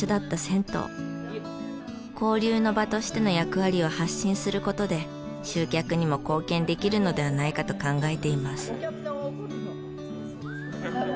交流の場としての役割を発信する事で集客にも貢献できるのではないかと考えています。